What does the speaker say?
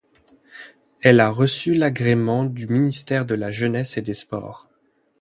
Elle a reçu l'agrément du ministère de la Jeunesse et des Sports.